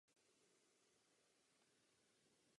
Semen je obvykle mnoho.